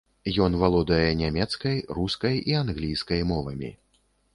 Ён валодае нямецкай, рускай і англійскай мовамі.